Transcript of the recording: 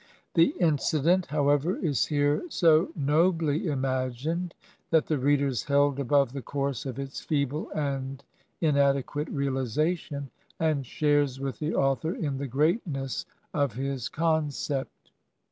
The incident, however, is here so nobly imagined that the reader is held above the course of its feeble and inadequate realization, and shares with the author in the greatness of his concept.